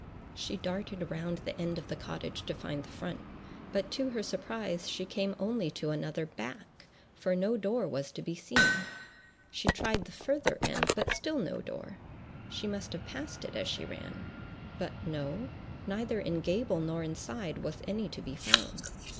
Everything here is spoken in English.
She darted round the end of the cottage to find the front. But, to her surprise, she came only to another back, for no door was to be seen. She tried the farther end, but still no door. She must have passed it as she ran—but no—neither in gable nor in side was any to be found.